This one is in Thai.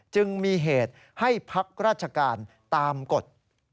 จึงมีเหตุให้พักราชการตามกฎ